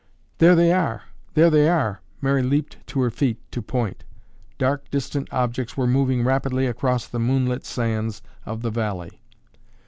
"There they are! There they are!" Mary leaped to her feet to point. Dark distant objects were moving rapidly across the moonlit sands of the valley.